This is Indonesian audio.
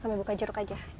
sambil buka jeruk aja